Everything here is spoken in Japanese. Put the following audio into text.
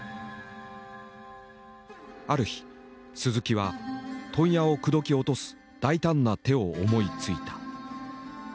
ある日鈴木は問屋を口説き落とす大胆な手を思いついた。